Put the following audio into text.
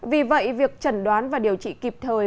vì vậy việc trần đoán và điều trị kịp thời